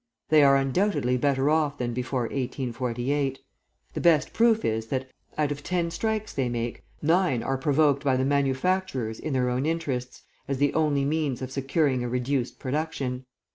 They are undoubtedly better off than before 1848. The best proof is that, out of ten strikes they make, nine are provoked by the manufacturers in their own interests, as the only means of securing a reduced production.